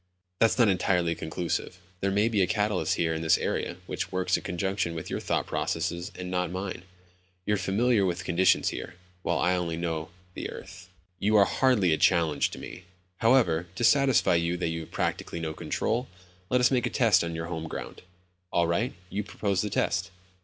"That's not entirely conclusive. There may be a catalyst here in this area which works in conjunction with your thought processes and not mine. You're familiar with conditions here, while I only know the earth." "You are hardly a challenge to me. However, to satisfy you that you have practically no control, let us make a test on your home ground." "All right. You propose the test."